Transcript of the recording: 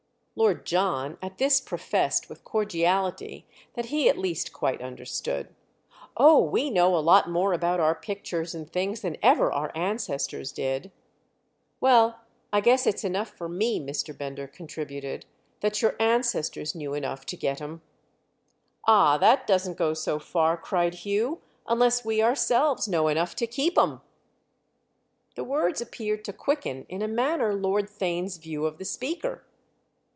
Lord John at this professed with cordiality that he at least quite understood. "Oh, we know a lot more about our pictures and things than ever our ancestors did!" "Well, I guess it's enough for me," Mr. Bender contributed, "that your ancestors knew enough to get 'em!" "Ah, that doesn't go so far," cried Hugh, "unless we ourselves know enough to keep 'em!" The words appeared to quicken in a manner Lord Theign's view of the speaker.